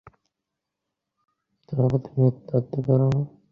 বিপ্রদাস তার কোনো উত্তর না দিয়ে বললে, তোমার শরীর ভালোই দেখছি।